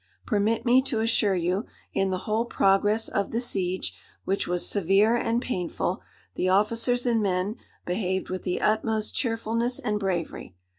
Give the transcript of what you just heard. Permit me to assure you, in the whole progress of the siege, which was severe and painful, the officers and men behaved with the utmost cheerfulness and bravery.